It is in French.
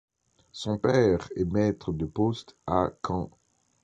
Son père est maître de poste à Caen.